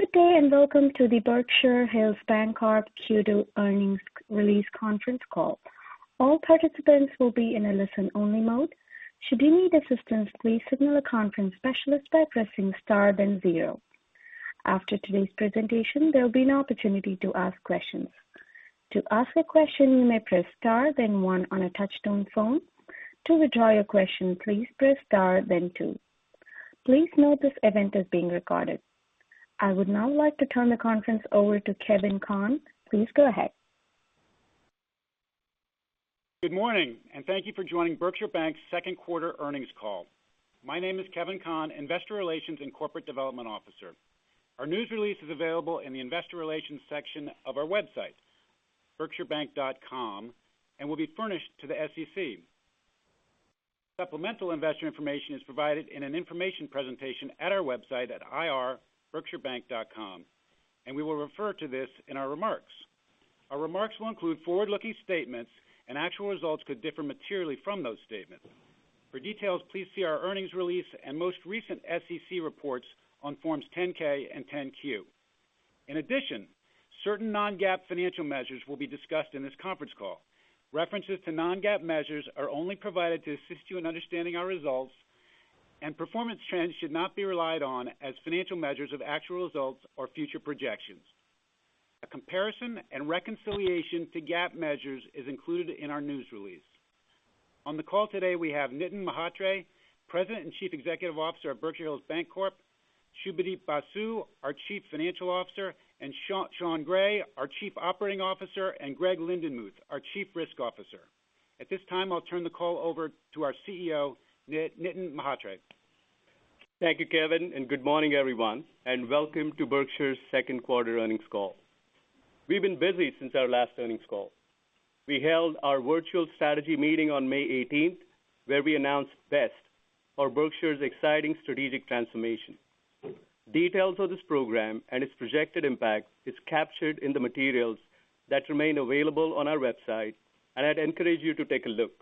Good day, and welcome to the Berkshire Hills Bancorp Q2 Earnings Release Conference Call. I would now like to turn the conference over to Kevin Conn. Please go ahead. Good morning, and thank you for joining Berkshire Bank's second quarter earnings call. My name is Kevin Conn, investor relations and corporate development officer. Our news release is available in the investor relations section of our website, berkshirebank.com, and will be furnished to the SEC. Supplemental investor information is provided in an information presentation at our website at ir.berkshirebank.com. We will refer to this in our remarks. Our remarks will include forward-looking statements, and actual results could differ materially from those statements. For details, please see our earnings release and most recent SEC reports on forms 10-K and 10-Q. In addition, certain non-GAAP financial measures will be discussed in this conference call. References to non-GAAP measures are only provided to assist you in understanding our results, and performance trends should not be relied on as financial measures of actual results or future projections. A comparison and reconciliation to GAAP measures is included in our news release. On the call today, we have Nitin Mhatre, President and Chief Executive Officer of Berkshire Hills Bancorp, Subhadeep Basu, our Chief Financial Officer, and Sean Gray, our Chief Operating Officer, and Greg Lindenmuth, our Chief Risk Officer. At this time, I'll turn the call over to our CEO, Nitin Mhatre. Thank you, Kevin. Good morning, everyone, and welcome to Berkshire's second quarter earnings call. We've been busy since our last earnings call. We held our virtual strategy meeting on May 18th, where we announced BEST, or Berkshire's Exciting Strategic Transformation. Details of this program and its projected impact is captured in the materials that remain available on our website. I'd encourage you to take a look.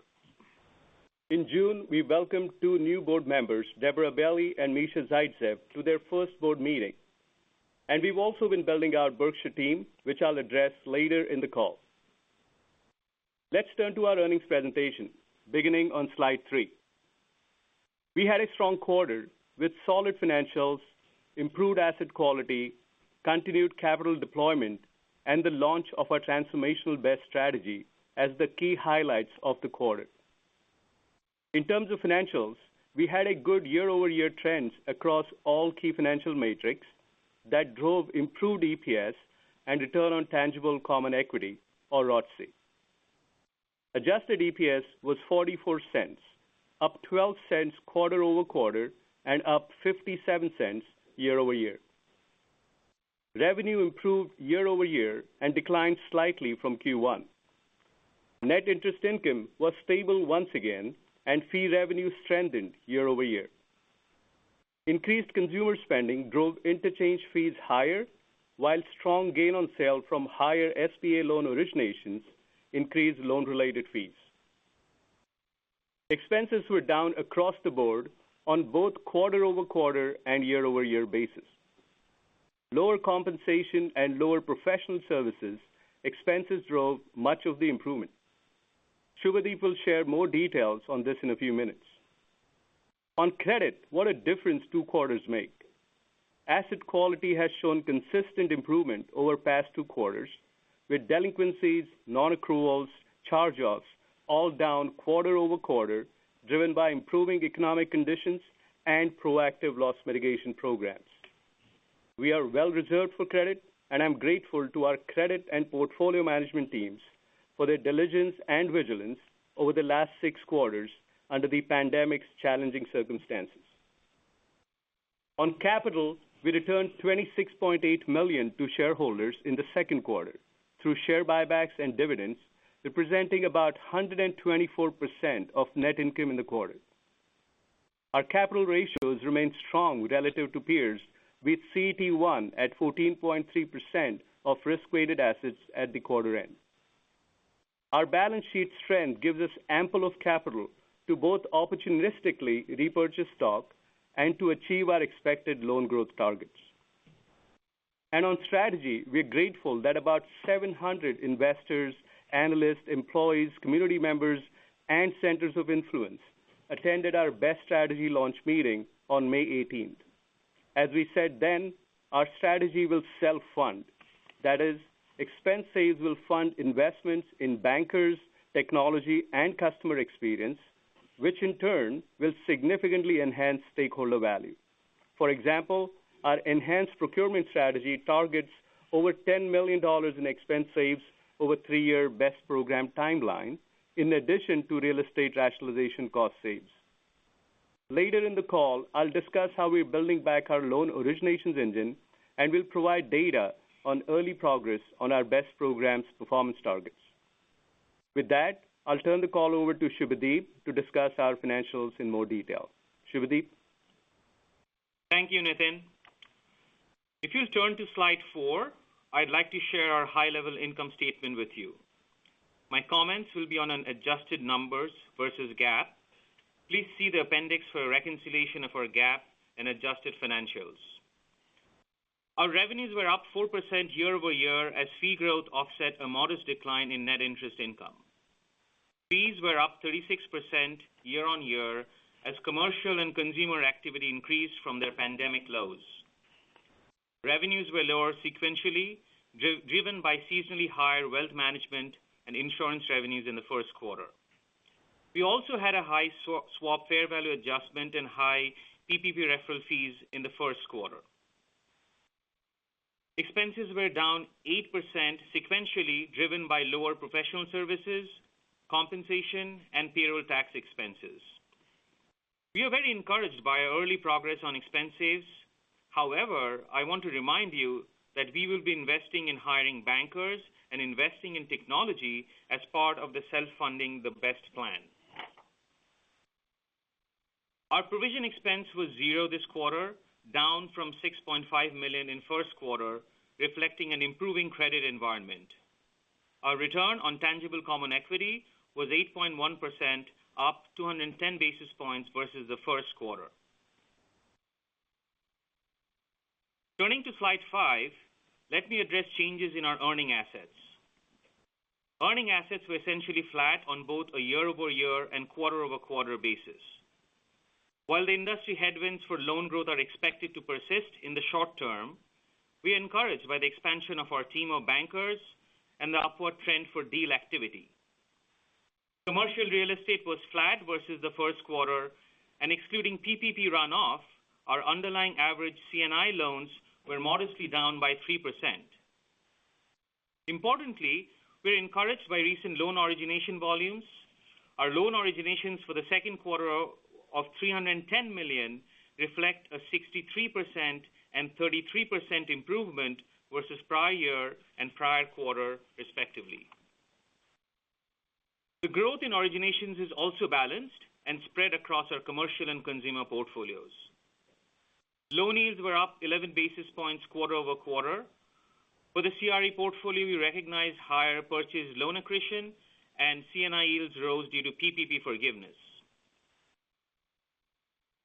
In June, we welcomed two new board members, Deborah Bailey and Misha Zaitzeff, to their first board meeting. We've also been building our Berkshire team, which I'll address later in the call. Let's turn to our earnings presentation, beginning on slide three. We had a strong quarter with solid financials, improved asset quality, continued capital deployment, and the launch of our transformational BEST strategy as the key highlights of the quarter. In terms of financials, we had a good year-over-year trends across all key financial metrics that drove improved EPS and return on tangible common equity or ROTCE. Adjusted EPS was $0.44, up $0.12 quarter-over-quarter and up $0.57 year-over-year. Revenue improved year-over-year and declined slightly from Q1. Net interest income was stable once again. Fee revenue strengthened year-over-year. Increased consumer spending drove interchange fees higher, while strong gain on sale from higher SBA loan originations increased loan-related fees. Expenses were down across the board on both quarter-over-quarter and year-over-year basis. Lower compensation and lower professional services expenses drove much of the improvement. Subhadeep will share more details on this in a few minutes. On credit, what a difference two quarters make. Asset quality has shown consistent improvement over past two quarters, with delinquencies, non-accruals, charge-offs all down quarter-over-quarter, driven by improving economic conditions and proactive loss mitigation programs. We are well reserved for credit, and I'm grateful to our credit and portfolio management teams for their diligence and vigilance over the last six quarters under the pandemic's challenging circumstances. On capital, we returned $26.8 million to shareholders in the second quarter through share buybacks and dividends, representing about 124% of net income in the quarter. Our capital ratios remain strong relative to peers, with CET1 at 14.3% of risk-weighted assets at the quarter end. Our balance sheet strength gives us ample of capital to both opportunistically repurchase stock and to achieve our expected loan growth targets. On strategy, we're grateful that about 700 investors, analysts, employees, community members, and centers of influence attended our BEST strategy launch meeting on May 18th. As we said then, our strategy will self-fund. That is, expense saves will fund investments in bankers, technology, and customer experience, which in turn will significantly enhance stakeholder value. For example, our enhanced procurement strategy targets over $10 million in expense saves over three-year BEST program timeline, in addition to real estate rationalization cost saves. Later in the call, I'll discuss how we're building back our loan originations engine, and we'll provide data on early progress on our BEST program's performance targets. With that, I'll turn the call over to Subhadeep to discuss our financials in more detail. Subhadeep. Thank you, Nitin. If you'll turn to slide four, I'd like to share our high-level income statement with you. My comments will be on an adjusted numbers versus GAAP. Please see the appendix for a reconciliation of our GAAP and adjusted financials. Our revenues were up 4% year-over-year as fee growth offset a modest decline in net interest income. Fees were up 36% year-on-year as commercial and consumer activity increased from their pandemic lows. Revenues were lower sequentially, driven by seasonally higher wealth management and insurance revenues in the first quarter. We also had a high swap fair value adjustment and high PPP referral fees in the first quarter. Expenses were down 8% sequentially, driven by lower professional services, compensation, and payroll tax expenses. We are very encouraged by our early progress on expenses. However, I want to remind you that we will be investing in hiring bankers and investing in technology as part of the self-funding the BEST plan. Our provision expense was zero this quarter, down from $6.5 million in first quarter, reflecting an improving credit environment. Our return on tangible common equity was 8.1%, up 210 basis points versus the first quarter. Turning to slide five, let me address changes in our earning assets. Earning assets were essentially flat on both a year-over-year and quarter-over-quarter basis. While the industry headwinds for loan growth are expected to persist in the short term, we are encouraged by the expansion of our team of bankers and the upward trend for deal activity. Commercial real estate was flat versus the first quarter, and excluding PPP runoff, our underlying average C&I loans were modestly down by 3%. Importantly, we're encouraged by recent loan origination volumes. Our loan originations for the second quarter of $310 million reflect a 63% and 33% improvement versus prior year and prior quarter respectively. The growth in originations is also balanced and spread across our commercial and consumer portfolios. Loan yields were up 11 basis points quarter-over-quarter. For the CRE portfolio, we recognized higher purchase loan accretion, and C&I yields rose due to PPP forgiveness.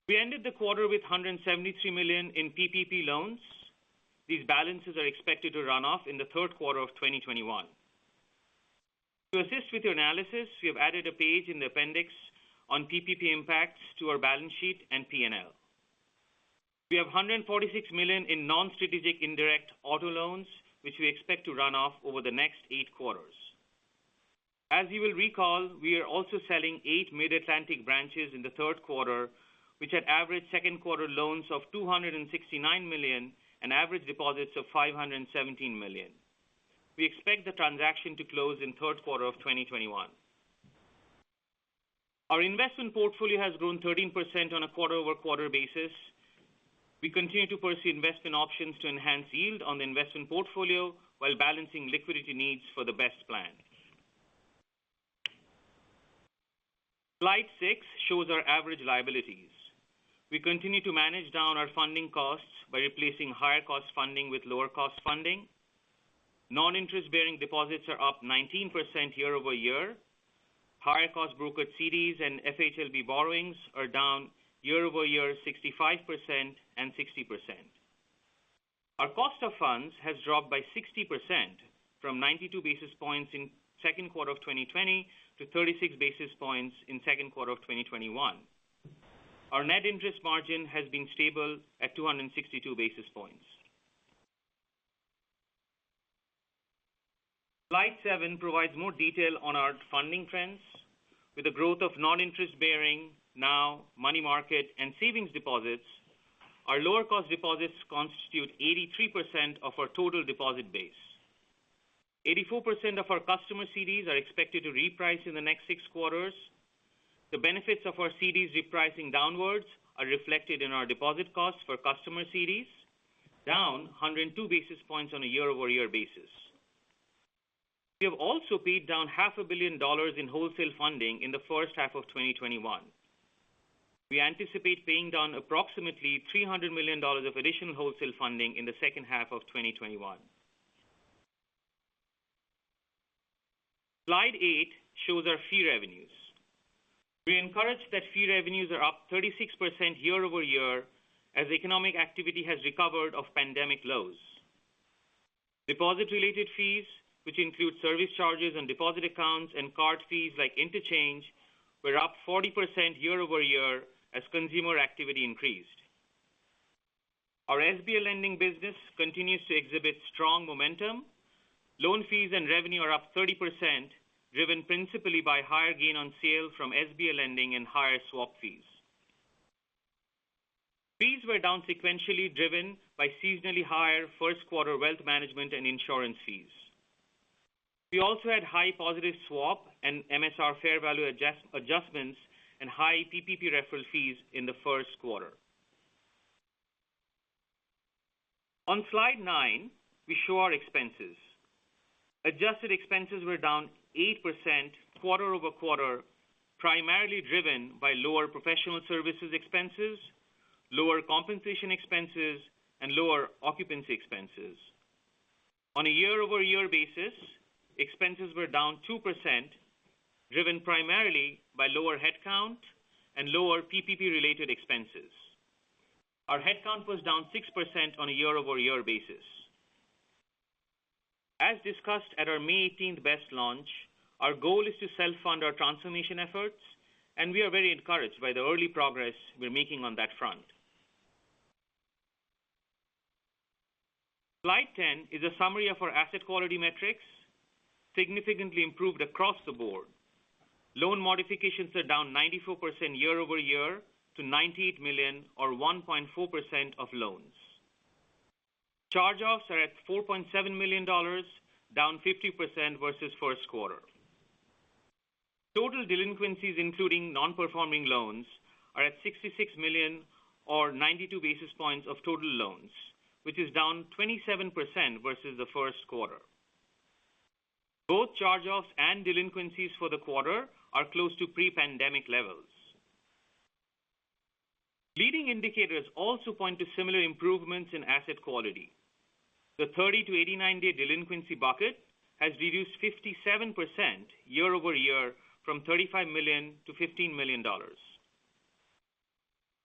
We ended the quarter with $173 million in PPP loans. These balances are expected to run off in the third quarter of 2021. To assist with your analysis, we have added a page in the appendix on PPP impacts to our balance sheet and P&L. We have $146 million in non-strategic indirect auto loans, which we expect to run off over the next eight quarters. As you will recall, we are also selling eight Mid-Atlantic branches in the third quarter, which had average second quarter loans of $269 million and average deposits of $517 million. We expect the transaction to close in third quarter of 2021. Our investment portfolio has grown 13% on a quarter-over-quarter basis. We continue to pursue investment options to enhance yield on the investment portfolio while balancing liquidity needs for the BEST plan. Slide six shows our average liabilities. We continue to manage down our funding costs by replacing higher cost funding with lower cost funding. Non-interest-bearing deposits are up 19% year-over-year. Higher cost brokered CDs and FHLB borrowings are down year-over-year 65% and 60%. Our cost of funds has dropped by 60%, from 92 basis points in second quarter of 2020 to 36 basis points in second quarter of 2021. Our net interest margin has been stable at 262 basis points. Slide seven provides more detail on our funding trends. With the growth of non-interest-bearing, now money market and savings deposits, our lower cost deposits constitute 83% of our total deposit base. 84% of our customer CDs are expected to reprice in the next six quarters. The benefits of our CDs repricing downwards are reflected in our deposit costs for customer CDs, down 102 basis points on a year-over-year basis. We have also paid down half a billion dollars in wholesale funding in the first half of 2021. We anticipate paying down approximately $300 million of additional wholesale funding in the second half of 2021. Slide eight shows our fee revenues. We're encouraged that fee revenues are up 36% year-over-year as economic activity has recovered off pandemic lows. Deposit-related fees, which include service charges on deposit accounts and card fees like interchange, were up 40% year-over-year as consumer activity increased. Our SBA lending business continues to exhibit strong momentum. Loan fees and revenue are up 30%, driven principally by higher gain on sale from SBA lending and higher swap fees. Fees were down sequentially driven by seasonally higher first quarter wealth management and insurance fees. We also had high positive swap and MSR fair value adjustments and high PPP referral fees in the first quarter. On slide nine, we show our expenses. Adjusted expenses were down 8% quarter-over-quarter, primarily driven by lower professional services expenses, lower compensation expenses and lower occupancy expenses. On a year-over-year basis, expenses were down 2%, driven primarily by lower headcount and lower PPP related expenses. Our headcount was down 6% on a year-over-year basis. As discussed at our May 18th BEST Launch, our goal is to self-fund our transformation efforts, and we are very encouraged by the early progress we're making on that front. Slide 10 is a summary of our asset quality metrics, significantly improved across the board. Loan modifications are down 94% year-over-year to $98 million or 1.4% of loans. Charge-offs are at $4.7 million, down 50% versus first quarter. Total delinquencies, including non-performing loans, are at $66 million or 92 basis points of total loans, which is down 27% versus the first quarter. Both charge-offs and delinquencies for the quarter are close to pre-pandemic levels. Leading indicators also point to similar improvements in asset quality. The 30 to 89-day delinquency bucket has reduced 57% year-over-year from $35 million to $15 million.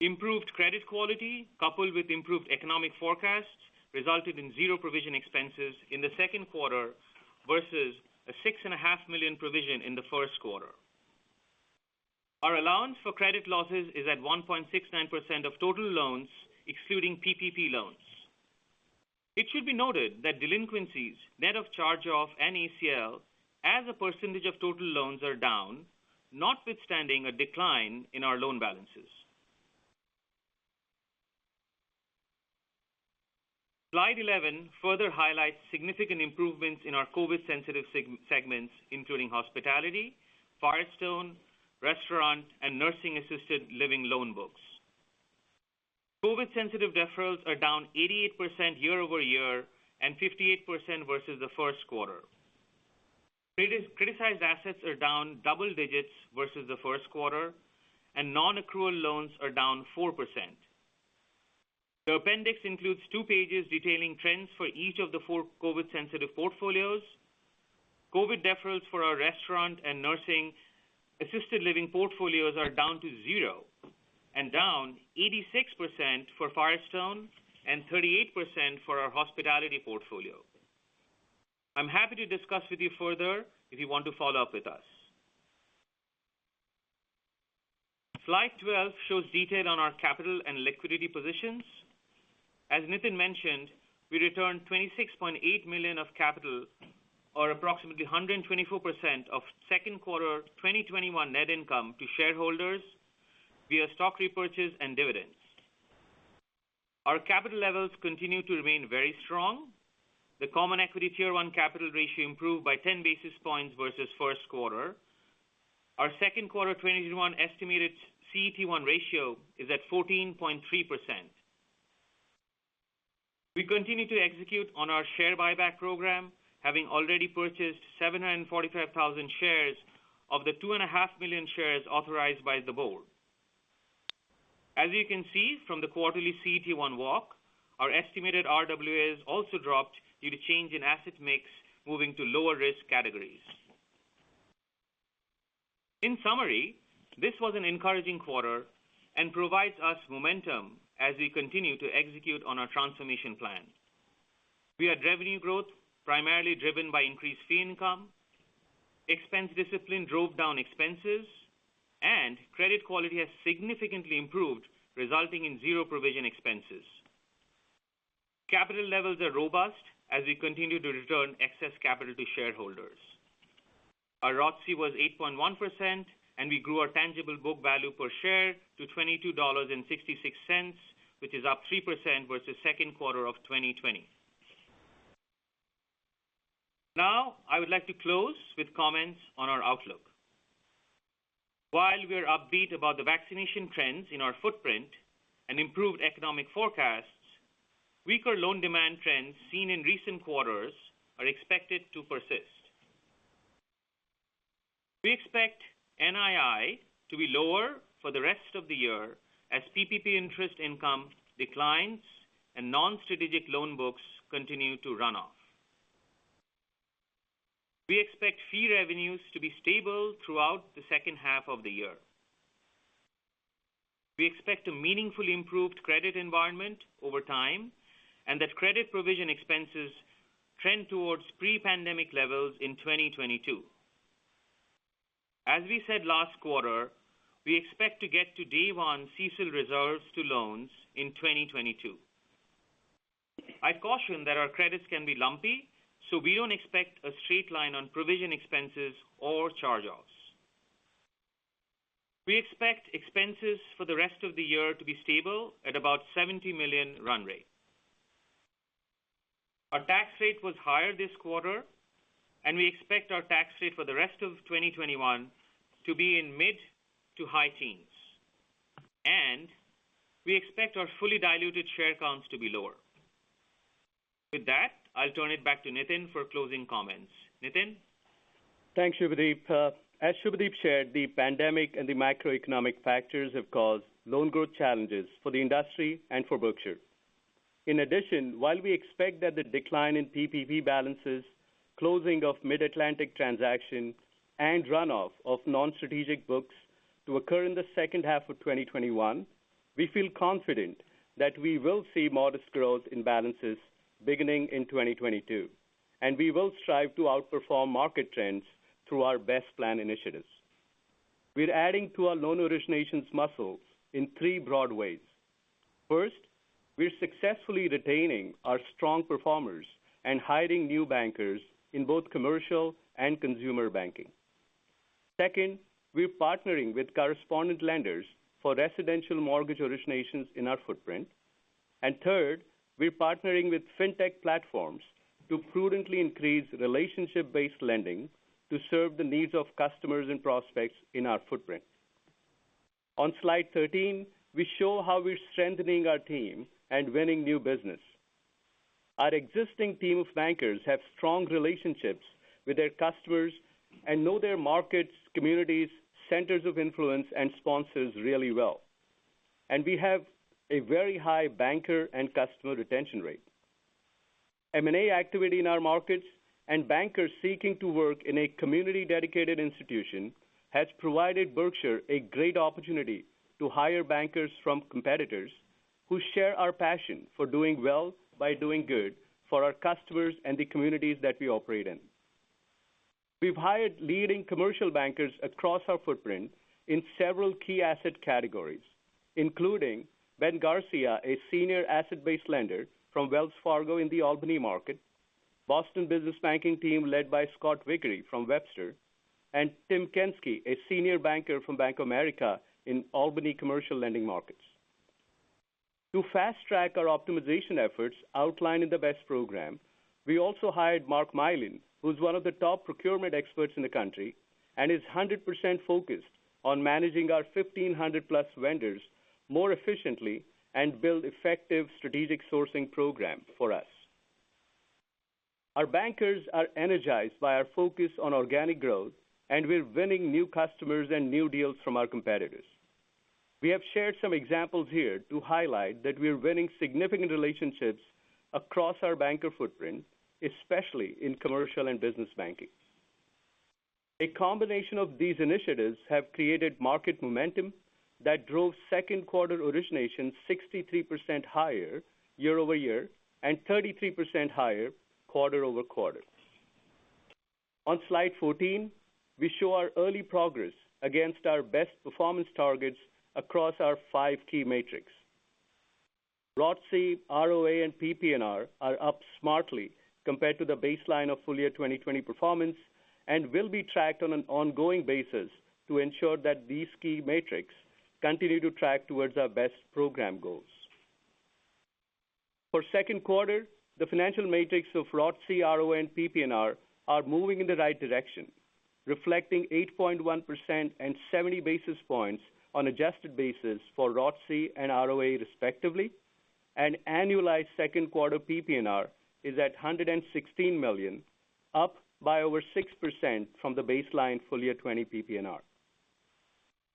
Improved credit quality, coupled with improved economic forecasts, resulted in zero provision expenses in the second quarter versus a six and a half million dollars provision in the first quarter. Our allowance for credit losses is at 1.69% of total loans, excluding PPP loans. It should be noted that delinquencies, net of charge-off and ACL as a percentage of total loans are down, notwithstanding a decline in our loan balances. Slide 11 further highlights significant improvements in our COVID sensitive segments, including hospitality, Firestone, restaurant, and nursing assisted living loan books. COVID sensitive deferrals are down 88% year-over-year and 58% versus the first quarter. Criticized assets are down double digits versus the first quarter, and non-accrual loans are down 4%. The appendix includes two pages detailing trends for each of the four COVID sensitive portfolios. COVID deferrals for our restaurant and nursing assisted living portfolios are down to zero and down 86% for Firestone and 38% for our hospitality portfolio. I'm happy to discuss with you further if you want to follow up with us. Slide 12 shows detail on our capital and liquidity positions. As Nitin mentioned, we returned $26.8 million of capital or approximately 124% of second quarter 2021 net income to shareholders via stock repurchase and dividends. Our capital levels continue to remain very strong. The common equity tier one capital ratio improved by 10 basis points versus first quarter. Our second quarter 2021 estimated CET1 ratio is at 14.3%. We continue to execute on our share buyback program, having already purchased 745,000 shares of the two and a half million shares authorized by the board. As you can see from the quarterly CET1 walk, our estimated RWA also dropped due to change in asset mix moving to lower risk categories. In summary, this was an encouraging quarter and provides us momentum as we continue to execute on our transformation plan. We had revenue growth primarily driven by increased fee income. Expense discipline drove down expenses, and credit quality has significantly improved, resulting in zero provision expenses. Capital levels are robust as we continue to return excess capital to shareholders. Our ROTCE was 8.1%, and we grew our tangible book value per share to $22.66, which is up 3% versus second quarter of 2020. Now, I would like to close with comments on our outlook. While we're upbeat about the vaccination trends in our footprint and improved economic forecasts, weaker loan demand trends seen in recent quarters are expected to persist. We expect NII to be lower for the rest of the year as PPP interest income declines and non-strategic loan books continue to run off. We expect fee revenues to be stable throughout the second half of the year. We expect a meaningfully improved credit environment over time, and that credit provision expenses trend towards pre-pandemic levels in 2022. As we said last quarter, we expect to get to day one CECL reserves to loans in 2022. I'd caution that our credits can be lumpy, so we don't expect a straight line on provision expenses or charge-offs. We expect expenses for the rest of the year to be stable at about $70 million run rate. Our tax rate was higher this quarter, and we expect our tax rate for the rest of 2021 to be in mid to high teens. We expect our fully diluted share counts to be lower. With that, I'll turn it back to Nitin for closing comments. Nitin? Thanks, Subhadeep. As Subhadeep shared, the pandemic and the macroeconomic factors have caused loan growth challenges for the industry and for Berkshire. In addition, while we expect that the decline in PPP balances, closing of Mid-Atlantic transactions, and runoff of non-strategic books to occur in the second half of 2021, we feel confident that we will see modest growth in balances beginning in 2022. We will strive to outperform market trends through our BEST Plan initiatives. We're adding to our loan originations muscles in three broad ways. First, we're successfully retaining our strong performers and hiring new bankers in both commercial and consumer banking. Second, we're partnering with correspondent lenders for residential mortgage originations in our footprint. Third, we're partnering with fintech platforms to prudently increase relationship-based lending to serve the needs of customers and prospects in our footprint. On slide 13, we show how we're strengthening our team and winning new business. Our existing team of bankers have strong relationships with their customers and know their markets, communities, centers of influence, and sponsors really well. We have a very high banker and customer retention rate. M&A activity in our markets and bankers seeking to work in a community-dedicated institution has provided Berkshire a great opportunity to hire bankers from competitors who share our passion for doing well by doing good for our customers and the communities that we operate in. We've hired leading commercial bankers across our footprint in several key asset categories, including Ben Garcia, a senior asset-based lender from Wells Fargo in the Albany market, Boston business banking team led by Scott Vickery from Webster, and Tim Kensky, a senior banker from Bank of America in Albany commercial lending markets. To fast-track our optimization efforts outlined in the BEST program, we also hired Mark Milen, who's one of the top procurement experts in the country and is 100% focused on managing our 1,500-plus vendors more efficiently and build effective strategic sourcing program for us. Our bankers are energized by our focus on organic growth, and we're winning new customers and new deals from our competitors. We have shared some examples here to highlight that we're winning significant relationships across our banker footprint, especially in commercial and business banking. A combination of these initiatives have created market momentum that drove second quarter origination 63% higher year-over-year and 33% higher quarter-over-quarter. On slide 14, we show our early progress against our BEST performance targets across our five key metrics. ROTCE, ROA, and PPNR are up smartly compared to the baseline of full year 2020 performance and will be tracked on an ongoing basis to ensure that these key metrics continue to track towards our BEST program goals. For second quarter, the financial matrix of ROTCE, ROA, and PPNR are moving in the right direction, reflecting 8.1% and 70 basis points on adjusted basis for ROTCE and ROA respectively, and annualized second quarter PPNR is at $116 million, up by over 6% from the baseline full year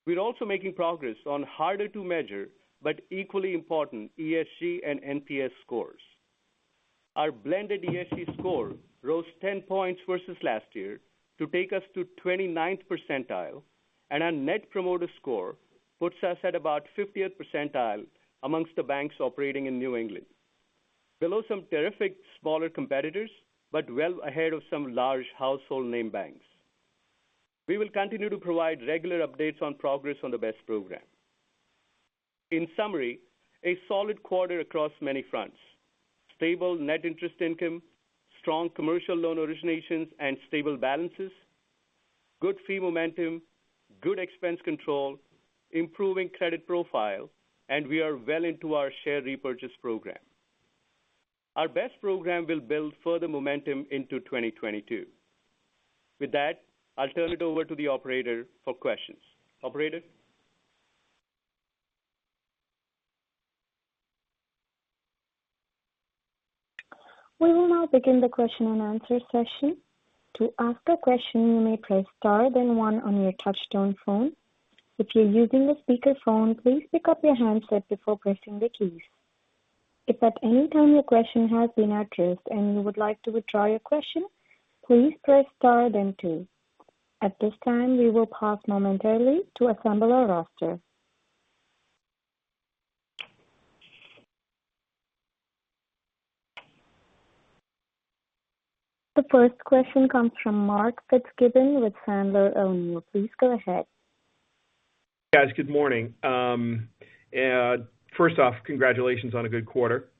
2020 PPNR. Our blended ESG score rose 10 points versus last year to take us to 29th percentile. Our net promoter score puts us at about 50th percentile amongst the banks operating in New England. Below some terrific smaller competitors, but well ahead of some large household name banks. We will continue to provide regular updates on progress on the BEST program. In summary, a solid quarter across many fronts. Stable net interest income, strong commercial loan originations, and stable balances, good fee momentum, good expense control, improving credit profile, and we are well into our share repurchase program. Our BEST program will build further momentum into 2022. With that, I'll turn it over to the operator for questions. Operator? We will now begin the question and answer session. The first question comes from Mark Fitzgibbon with Piper Sandler. Please go ahead. Guys, good morning. First off, congratulations on a good quarter.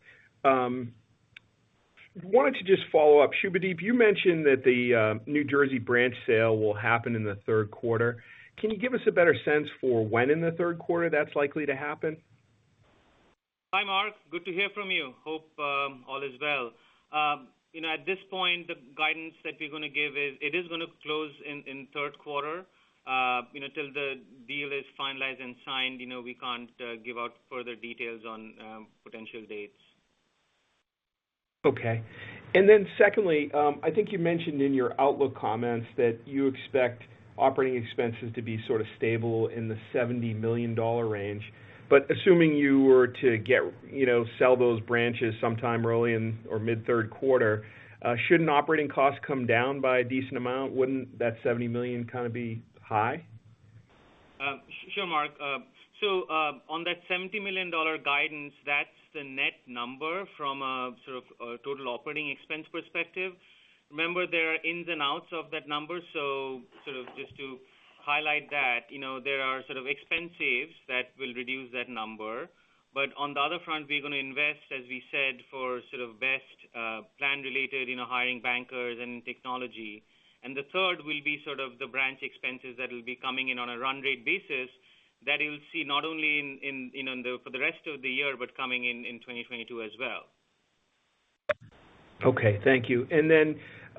Wanted to just follow up. Subhadeep, you mentioned that the New Jersey branch sale will happen in the third quarter. Can you give us a better sense for when in the third quarter that's likely to happen? Hi, Mark. Good to hear from you. Hope all is well. At this point, the guidance that we're going to give is it is going to close in third quarter. Until the deal is finalized and signed, we can't give out further details on potential dates. Okay. Secondly, I think you mentioned in your outlook comments that you expect operating expenses to be sort of stable in the $70 million range. Assuming you were to sell those branches sometime early or mid-third quarter, shouldn't operating costs come down by a decent amount? Wouldn't that $70 million kind of be high? Sure, Mark. On that $70 million guidance, that's the net number from a sort of total operating expense perspective. Remember, there are ins and outs of that number. Just to highlight that, there are sort of expense saves that will reduce that number. On the other front, we're going to invest, as we said, for sort of BEST plan related, hiring bankers and technology. The third will be sort of the branch expenses that will be coming in on a run rate basis that you'll see not only for the rest of the year, but coming in in 2022 as well. Okay, thank you.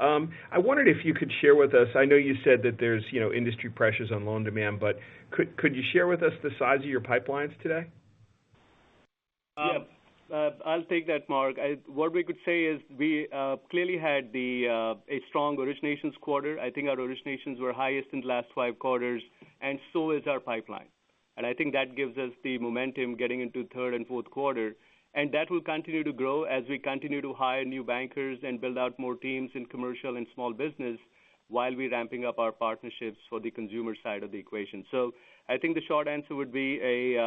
I wondered if you could share with us, I know you said that there's industry pressures on loan demand, but could you share with us the size of your pipelines today? Yes. I'll take that, Mark. What we could say is we clearly had a strong originations quarter. I think our originations were highest in the last five quarters, and so is our pipeline. I think that gives us the momentum getting into third and fourth quarter, and that will continue to grow as we continue to hire new bankers and build out more teams in commercial and small business while we're ramping up our partnerships for the consumer side of the equation. I think the short answer would be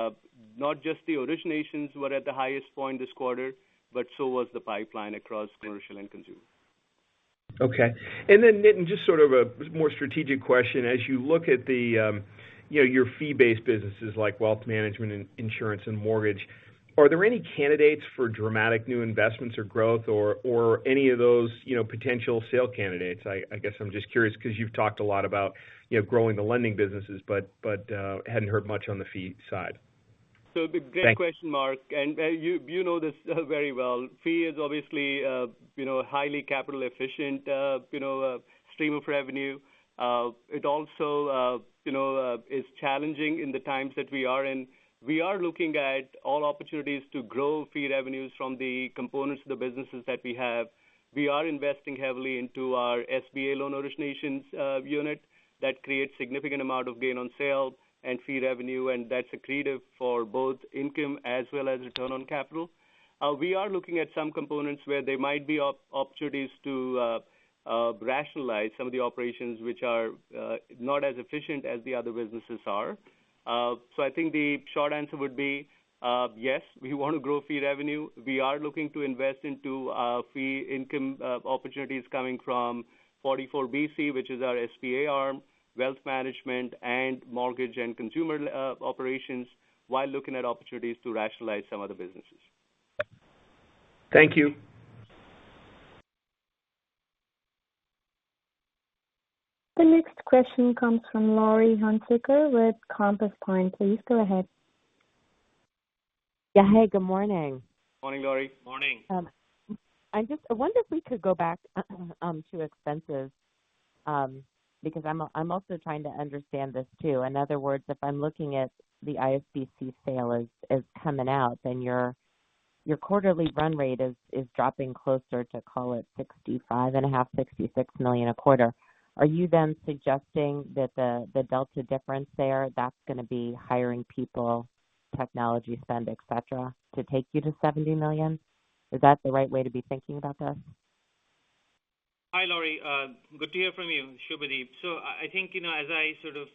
not just the originations were at the highest point this quarter, but so was the pipeline across commercial and consumer. Okay. Then, Nitin, just sort of a more strategic question. As you look at your fee-based businesses like wealth management and insurance and mortgage, are there any candidates for dramatic new investments or growth or any of those potential sale candidates? I guess I'm just curious because you've talked a lot about growing the lending businesses but hadn't heard much on the fee side. Great question, Mark, and you know this very well. Fee is obviously a highly capital efficient stream of revenue. It also is challenging in the times that we are in. We are looking at all opportunities to grow fee revenues from the components of the businesses that we have. We are investing heavily into our SBA loan originations unit that creates significant amount of gain on sale and fee revenue, and that's accretive for both income as well as return on capital. We are looking at some components where there might be opportunities to rationalize some of the operations which are not as efficient as the other businesses are. I think the short answer would be yes, we want to grow fee revenue. We are looking to invest into fee income opportunities coming from 44BC, which is our SBA arm, wealth management, and mortgage and consumer operations while looking at opportunities to rationalize some of the businesses. Thank you. The next question comes from Laurie Hunsicker with Compass Point. Please go ahead. Yeah. Hey, good morning. Morning, Laurie. Morning. I wonder if we could go back to expenses because I'm also trying to understand this too. In other words, if I'm looking at the ISBC sale as coming out, then your quarterly run rate is dropping closer to call it $65 and a half, $66 million a quarter. Are you then suggesting that the delta difference there, that's going to be hiring people, technology spend, et cetera, to take you to $70 million? Is that the right way to be thinking about this? Hi, Laurie. Good to hear from you. Subhadeep. I think as I sort of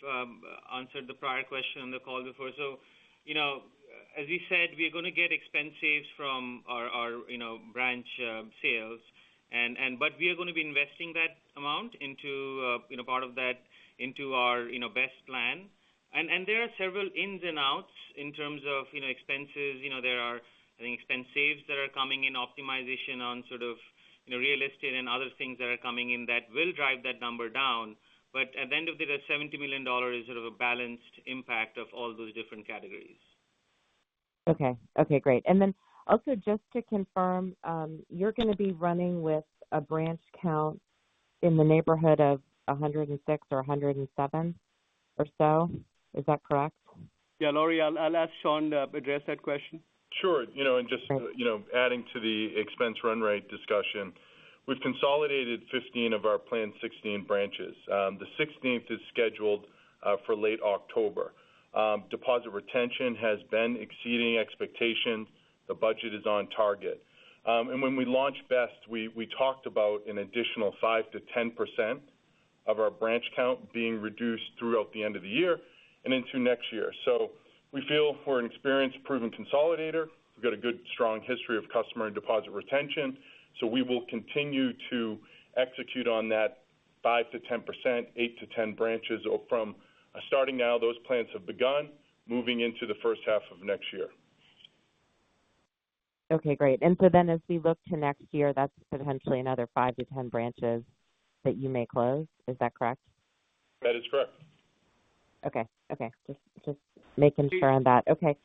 answered the prior question on the call before, as we said, we're going to get expense saves from our branch sales. We are going to be investing that amount into part of that into our BEST plan. There are several ins and outs in terms of expenses. There are expense saves that are coming in optimization on sort of real estate and other things that are coming in that will drive that number down. At the end of the day, that $70 million is sort of a balanced impact of all those different categories. Okay. Okay, great. Also just to confirm, you're going to be running with a branch count in the neighborhood of 106 or 107 or so. Is that correct? Yeah. Laurie, I'll ask Sean to address that question. Sure. Just adding to the expense run rate discussion. We've consolidated 15 of our planned 16 branches. The 16th is scheduled for late October. Deposit retention has been exceeding expectations. The budget is on target. When we launched BEST, we talked about an additional 5%-10% of our branch count being reduced throughout the end of the year and into next year. We feel we're an experienced, proven consolidator. We've got a good, strong history of customer and deposit retention. We will continue to execute on that 5%-10%, 8 to 10 branches from starting now, those plans have begun, moving into the first half of next year. Okay, great. As we look to next year, that's potentially another 5-10 branches that you may close. Is that correct? That is correct. Okay. Just making sure on that. Okay.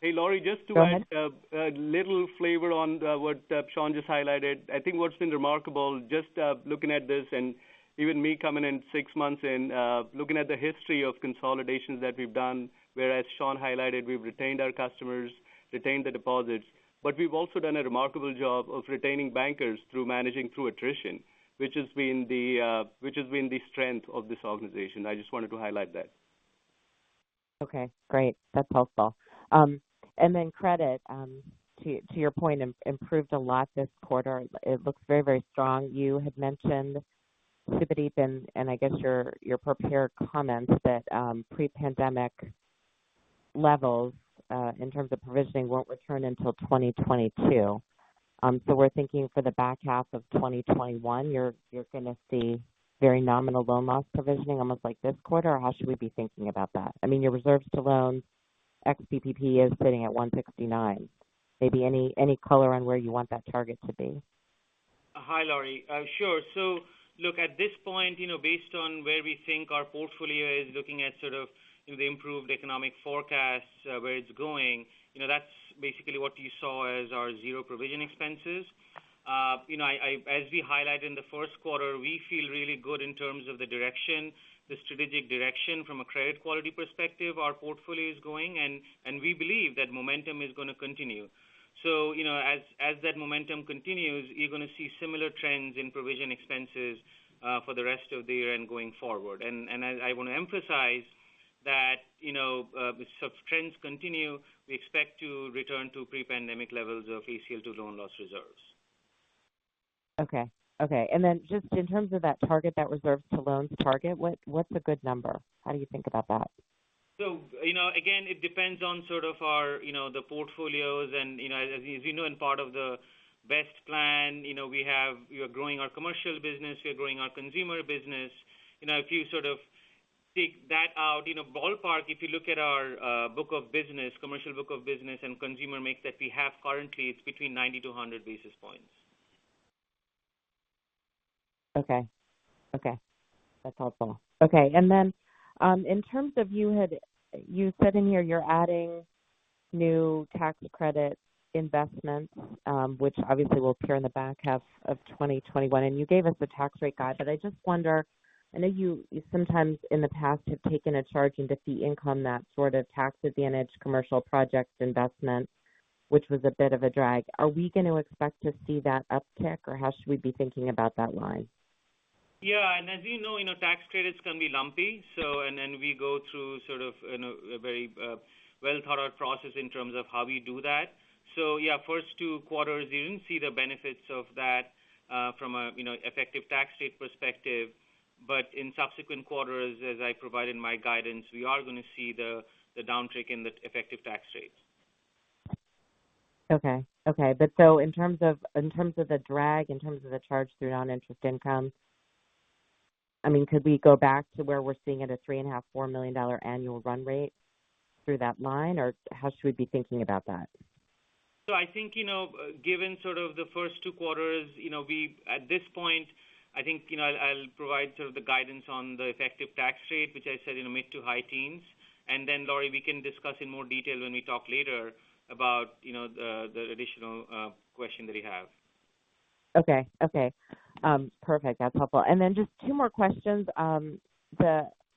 Hey, Laurie. Go ahead. A little flavor on what Sean just highlighted. I think what's been remarkable, just looking at this and even me coming in six months in, looking at the history of consolidations that we've done, whereas Sean highlighted, we've retained our customers, retained the deposits. We've also done a remarkable job of retaining bankers through managing through attrition, which has been the strength of this organization. I just wanted to highlight that. Okay, great. That's helpful. Credit, to your point, improved a lot this quarter. It looks very, very strong. You had mentioned, Subhadeep, and I guess your prepared comments that pre-pandemic levels, in terms of provisioning, won't return until 2022. We're thinking for the back half of 2021, you're going to see very nominal loan loss provisioning, almost like this quarter? How should we be thinking about that? I mean, your reserves to loans ex-PPP is sitting at 169. Maybe any color on where you want that target to be? Hi, Laurie. Sure. Look, at this point, based on where we think our portfolio is looking at the improved economic forecasts, where it's going, that's basically what you saw as our zero provision expenses. As we highlighted in the first quarter, we feel really good in terms of the strategic direction from a credit quality perspective our portfolio is going, and we believe that momentum is going to continue. As that momentum continues, you're going to see similar trends in provision expenses for the rest of the year and going forward. I want to emphasize that as trends continue, we expect to return to pre-pandemic levels of ACL to loan loss reserves. Okay. Just in terms of that target, that reserves to loans target, what's a good number? How do you think about that? Again, it depends on the portfolios and as you know, and part of the BEST plan, we are growing our commercial business, we are growing our consumer business. If you take that out, ballpark, if you look at our commercial book of business and consumer mix that we have currently, it's between 90 to 100 basis points. Okay. That's helpful. Okay. Then, in terms of, you said in here you're adding new tax credit investments, which obviously will appear in the back half of 2021, and you gave us a tax rate guide. I just wonder, I know you sometimes in the past have taken a charge into fee income, that sort of tax advantage commercial projects investment, which was a bit of a drag. Are we going to expect to see that uptick or how should we be thinking about that line? Yeah, as you know, tax credits can be lumpy. We go through a very well-thought-out process in terms of how we do that. Yeah, first two quarters, you didn't see the benefits of that from an effective tax rate perspective. In subsequent quarters, as I provided in my guidance, we are going to see the downtick in the effective tax rates. Okay. In terms of the drag, in terms of the charge through non-interest income, I mean, could we go back to where we're seeing at a three and a half, $4 million annual run rate through that line? Or how should we be thinking about that? Given the first two quarters, at this point, I'll provide the guidance on the effective tax rate, which I said in mid-to-high teens, and then, Laurie, we can discuss in more detail when we talk later about the additional question that you have. Okay. Perfect. That's helpful. Just two more questions.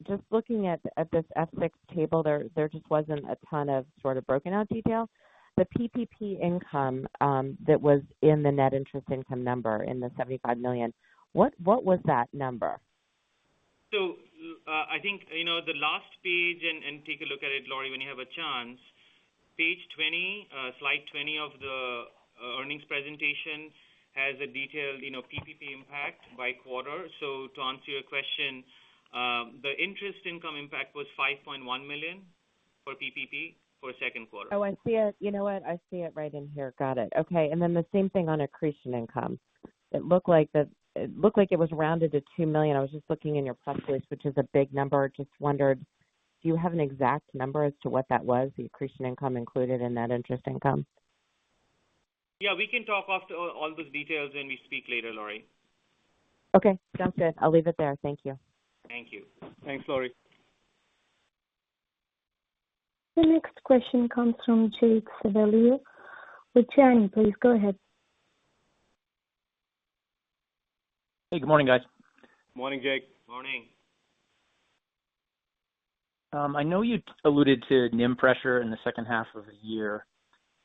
Just looking at this S6 table, there just wasn't a ton of broken-out details. The PPP income that was in the net interest income number, in the $75 million, what was that number? I think the last page, and take a look at it, Laurie, when you have a chance, page 20, slide 20 of the earnings presentation has a detailed PPP impact by quarter. To answer your question, the interest income impact was $5.1 million for PPP for second quarter. Oh, I see it. You know what? I see it right in here. Got it. Okay, then the same thing on accretion income. It looked like it was rounded to $2 million. I was just looking in your press release, which is a big number. I just wondered, do you have an exact number as to what that was, the accretion income included in that interest income? Yeah, we can talk after all those details when we speak later, Laurie. Okay, sounds good. I'll leave it there. Thank you. Thank you. Thanks, Laurie. The next question comes from Jake Civiello with Janney. Please go ahead. Hey, good morning, guys. Morning, Jake. Morning. I know you alluded to NIM pressure in the second half of the year.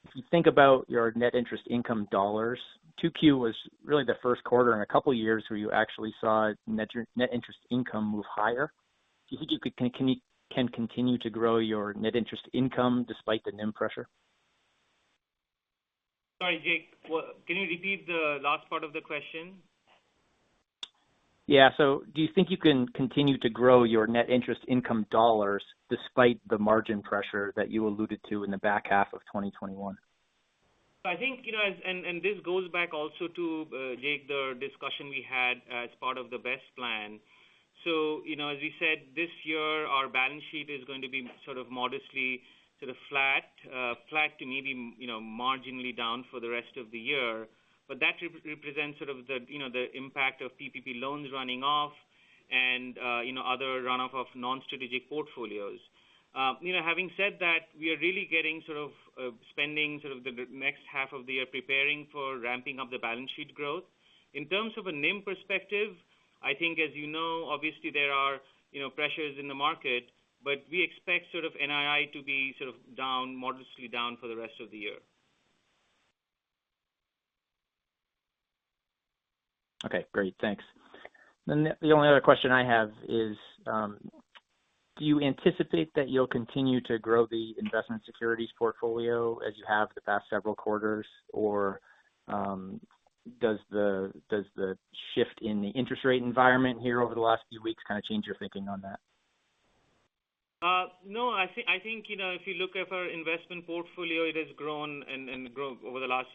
If you think about your net interest income dollars, 2Q was really the first quarter in a couple of years where you actually saw net interest income move higher. Do you think you can continue to grow your net interest income despite the NIM pressure? Sorry, Jake. Can you repeat the last part of the question? Yeah. Do you think you can continue to grow your net interest income dollars despite the margin pressure that you alluded to in the back half of 2021? I think, and this goes back also to, Jake, the discussion we had as part of the BEST plan. As we said, this year our balance sheet is going to be modestly flat to maybe marginally down for the rest of the year. That represents the impact of PPP loans running off. Other runoff of non-strategic portfolios. Having said that, we are really spending the next half of the year preparing for ramping up the balance sheet growth. In terms of a NIM perspective, I think as you know, obviously there are pressures in the market, but we expect NII to be modestly down for the rest of the year. Okay, great. Thanks. The only other question I have is, do you anticipate that you'll continue to grow the investment securities portfolio as you have the past several quarters, or does the shift in the interest rate environment here over the last few weeks change your thinking on that? I think, if you look at our investment portfolio, it has grown over the last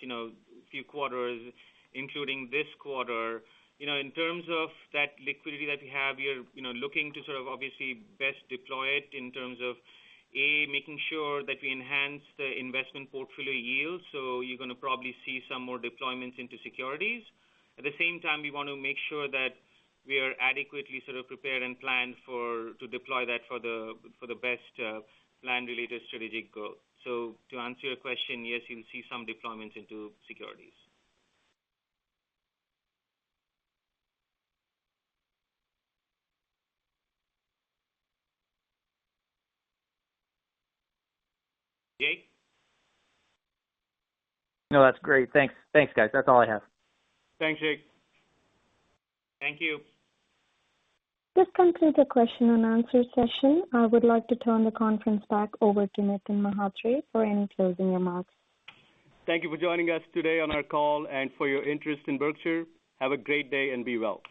few quarters, including this quarter. In terms of that liquidity that we have, we are looking to obviously best deploy it in terms of, A, making sure that we enhance the investment portfolio yield. You're going to probably see some more deployments into securities. At the same time, we want to make sure that we are adequately prepared and planned to deploy that for the BEST plan-related strategic goal. To answer your question, yes, you'll see some deployments into securities. Jake? No, that's great. Thanks, guys. That's all I have. Thanks, Jake. Thank you. This concludes the question and answer session. I would like to turn the conference back over to Nitin Mhatre for any closing remarks. Thank you for joining us today on our call and for your interest in Berkshire. Have a great day and be well.